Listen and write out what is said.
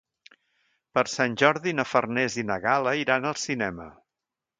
Per Sant Jordi na Farners i na Gal·la iran al cinema.